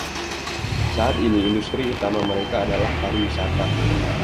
Saat ini industri utama mereka adalah pariwisata.